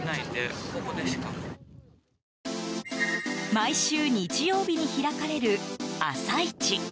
毎週日曜日に開かれる朝市。